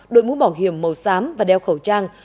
đội mũ bảo hiểm màu xám và đeo khẩu trang